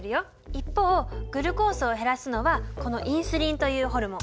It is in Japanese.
一方グルコースを減らすのはこのインスリンというホルモン。